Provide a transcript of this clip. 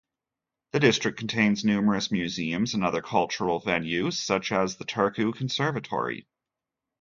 The district contains numerous museums and other cultural venues, such as the Turku conservatory.